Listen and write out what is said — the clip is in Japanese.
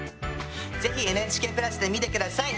是非ＮＨＫプラスで見て下さい。